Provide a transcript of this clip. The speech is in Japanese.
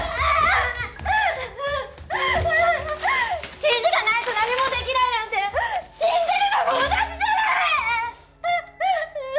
指示がないと何もできないなんて死んでるのも同じじゃない！